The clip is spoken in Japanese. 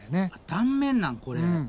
断面なんこれ！？